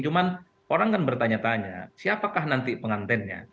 cuman orang kan bertanya tanya siapakah nanti pengantennya